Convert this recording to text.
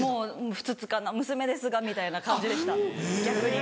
「ふつつかな娘ですが」みたいな感じでした逆に。